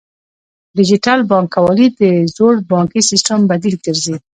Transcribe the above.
ډیجیټل بانکوالي د زوړ بانکي سیستم بدیل ګرځي.